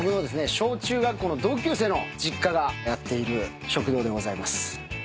小中学校の同級生の実家がやっている食堂でございます。